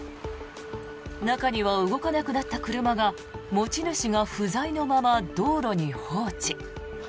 中には、動かなくなった車が持ち主が不在のまま道路に放置。